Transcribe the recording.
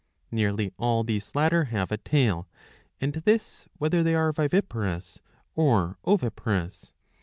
Nearly all these latter have a tail, and this whether they are viviparous or oviparous.